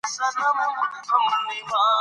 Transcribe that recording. د ستړیا په وخت کې د شین چای څښل بدن ته سکون ورکوي.